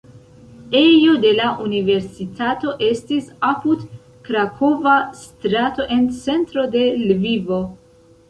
Ejo de la universitato estis apud krakova strato en centro de Lvivo.